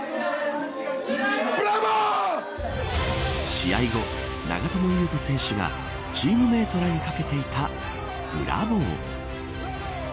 試合後、長友佑都選手がチームメートらにかけていたブラボー。